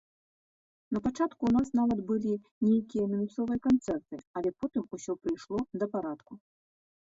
Напачатку ў нас нават былі нейкія мінусавыя канцэрты, але потым усё прыйшло да парадку.